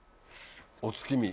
「おつきみ」。